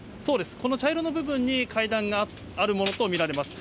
この茶色の部分に階段があるものと見られます。